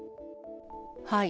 はい。